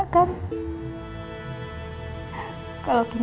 kalau kinasih kirani sama kinanti itu adik akang